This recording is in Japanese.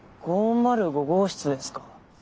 ５０５号室ですか。